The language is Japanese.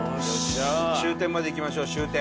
終点まで行きましょう終点。